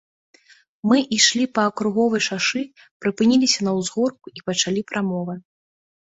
Мы ішлі па акруговай шашы, прыпыніліся на ўзгорку і пачалі прамовы.